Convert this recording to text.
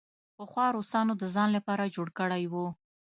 پخوا روسانو د ځان لپاره جوړ کړی وو.